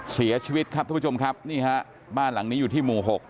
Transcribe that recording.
เสียชีวิตครับทุกผู้ชมครับนี่ฮะบ้านหลังนี้อยู่ที่หมู่๖